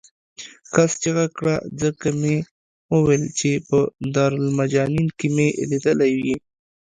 کس چغه کړه ځکه مې وویل چې په دارالمجانین کې مې لیدلی یې.